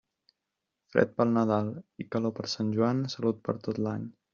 Fred per Nadal i calor per Sant Joan, salut per tot l'any.